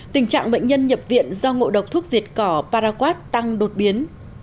tình trạng bệnh nhân nhập viện do ngộ độc thuốc diệt cỏ paraquad tăng đột biến